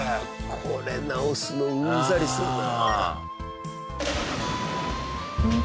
これ直すのうんざりするな。